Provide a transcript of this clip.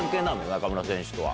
中村選手とは。